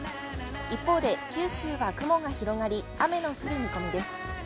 一方で九州は雲が広がり、雨の降る見込みです。